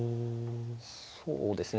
そうですね。